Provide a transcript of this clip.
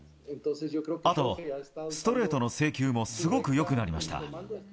あとストレートの制球もすごくよくなりました。